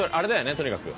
とにかく。